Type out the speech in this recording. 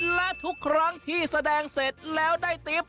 และทุกครั้งที่แสดงเสร็จแล้วได้ติ๊บ